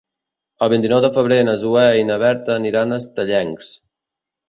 El vint-i-nou de febrer na Zoè i na Berta aniran a Estellencs.